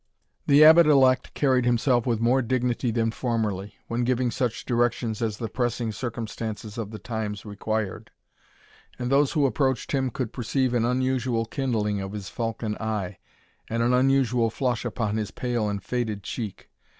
The Abbot elect carried himself with more dignity than formerly, when giving such directions as the pressing circumstances of the times required; and those who approached him could perceive an unusual kindling of his falcon eye, and an unusual flush upon his pale and faded cheek.